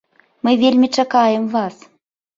Мы вельмі чакаем вас!